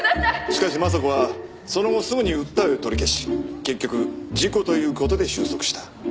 しかし雅子はその後すぐに訴えを取り消し結局事故という事で収束した。